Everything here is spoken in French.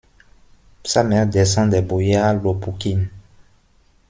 Sa mère descend des boyards Lopoukhine.